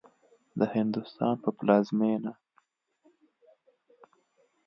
د هندوستان په پلازمېنه